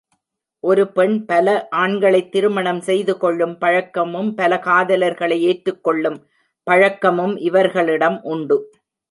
ஒருபெண் பல ஆண்களைத் திருமணம் செய்து, கொள்ளும் பழக்க மும், பல காதலர்களை ஏற்றுக்கொள்ளும் பழக்கமும் இவர்களிடம் உண்டு.